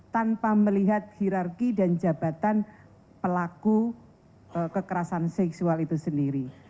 tanpa melihat hirarki dan jabatan pelaku kekerasan seksual itu sendiri